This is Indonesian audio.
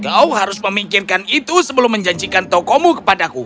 kau harus memikirkan itu sebelum menjanjikan tokomu kepadaku